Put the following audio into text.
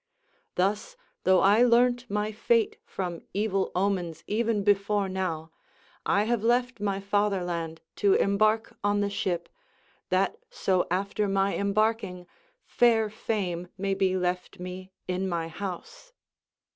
Thus, though I learnt my fate from evil omens even before now, I have left my fatherland to embark on the ship, that so after my embarking fair fame may be left me in my house."